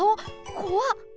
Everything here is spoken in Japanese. こわっ！